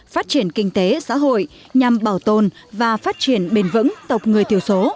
phát triển kinh tế xã hội nhằm bảo tồn và phát triển bền vững tộc người thiểu số